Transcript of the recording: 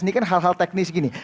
ini kan hal hal teknis gini